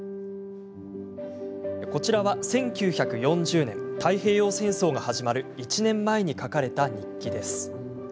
これは１９４０年太平洋戦争が始まる１年前に書かれた日記です。